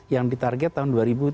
yang ditarget tahun dua ribu tiga puluh